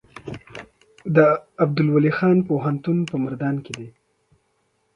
د عبدالولي خان پوهنتون په مردان کې دی